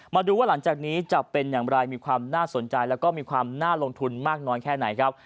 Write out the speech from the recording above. มาดูว่าหลังจากนี้จะเป็นอย่างไรมีความน่าสนใจแล้วก็มีความน่าลงทุนมากน้อยแค่ไหนครับ